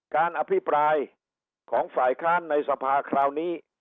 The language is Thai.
การอภิปรายของฝ่ายค้านในสภาคราวนี้